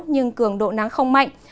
nhưng cường độ nắng không mạnh